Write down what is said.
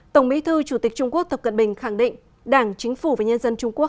tổng bí thư chủ tịch trung quốc tập cận bình khẳng định đảng chính phủ và nhân dân trung quốc